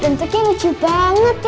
mpoknya lucu banget ya